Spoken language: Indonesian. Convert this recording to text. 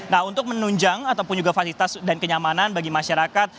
nah untuk menunjang ataupun juga fasilitas dan kenyamanan bagi masyarakat